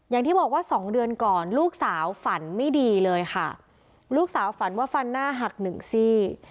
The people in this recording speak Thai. อย่างที่บอกว่าสองเดือนก่อนลูกสาวฝันไม่ดีเลยค่ะลูกสาวฝันว่าฟันหน้าหักหนึ่งซี่